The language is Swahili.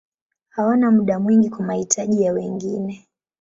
Hawana muda mwingi kwa mahitaji ya wengine.